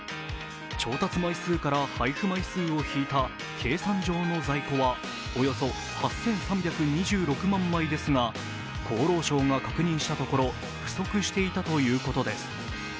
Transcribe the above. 調達枚数から配布枚数を引いた計算上の在庫はおよそ８３２６万枚ですが、厚労省が確認したところ不足していたということです。